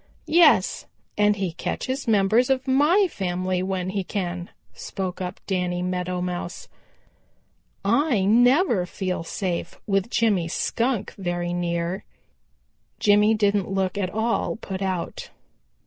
"Yes, and he catches members of my family when he can," spoke up Danny Meadow Mouse. "I never feel safe with Jimmy Skunk very near." Jimmy didn't look at all put out.